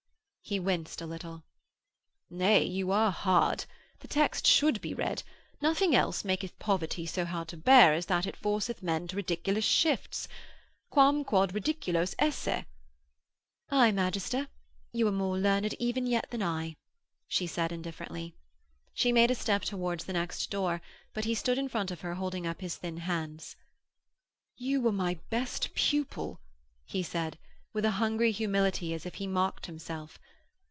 He winced a little. 'Nay, you are hard! The text should be read: Nothing else maketh poverty so hard to bear as that it forceth men to ridiculous shifts.... Quam quod ridiculos esse....' 'Aye, magister, you are more learned even yet than I,' she said indifferently. She made a step towards the next door but he stood in front of her holding up his thin hands. 'You were my best pupil,' he said, with a hungry humility as if he mocked himself.